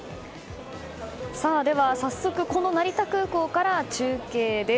では、早速この成田空港から中継です。